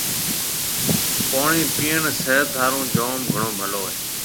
پوڻِي پيڻ صحت هارون جوم گھڻو ڀلو هيَ۔